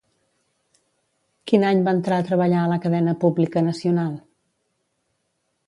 Quin any va entrar a treballar a la cadena pública nacional?